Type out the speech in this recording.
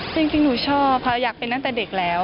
จริงหนูชอบเพราะอยากเป็นตั้งแต่เด็กแล้ว